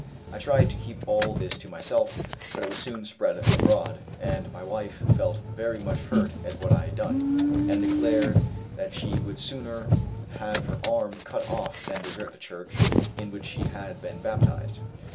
I tried to keep all this to myself; but it was soon spread abroad, and my wife felt very much hurt at what I had done, and declared that she would sooner have her arm cut off than desert the church in which she had been baptized.